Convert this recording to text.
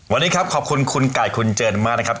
วันนี้ครับขอบคุณคุณไก่คุณเจินมากนะครับ